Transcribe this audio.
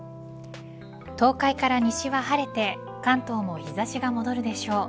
東海から西は晴れて関東も日差しが戻るでしょう。